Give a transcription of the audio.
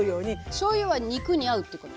しょうゆは肉に合うっていうこと？